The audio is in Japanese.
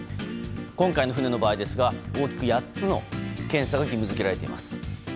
今回の船の場合ですが大きく８つの検査が義務付けられています。